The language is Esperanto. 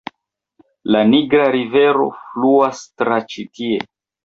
La Nigra rivero fluas tra ĉi tie.